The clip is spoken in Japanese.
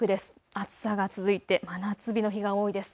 暑さが続いて真夏日の日が多いです。